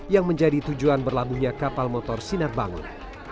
yang menjadi tujuan berlabuhnya kapal motor sinar bangun